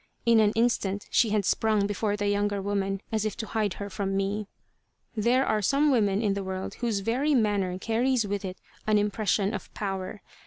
In an instant she had sprung before the younger woman, as if to hide her from me. There are some women in the world whose very manner carries with it an impression of power.